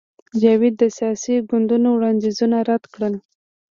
جاوید د سیاسي ګوندونو وړاندیزونه رد کړل